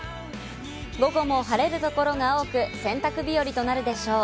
午後も晴れるところが多く、洗濯日和となるでしょう。